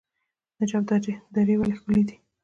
نجراب درې ولې ښکلې دي؟